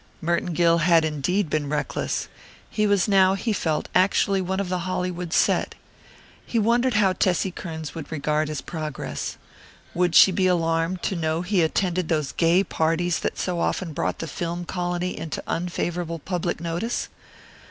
Merton Gill had indeed been reckless. He was now, he felt, actually one of the Hollywood set. He wondered how Tessie Kearns would regard his progress. Would she be alarmed to know he attended those gay parties that so often brought the film colony into unfavourable public notice?